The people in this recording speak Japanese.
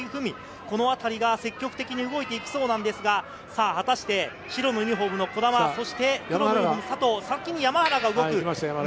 このあたりが積極的に動いていきそうなんですが、果たして白のユニホームの児玉、黒のユニホーム・佐藤、先に山原が動く。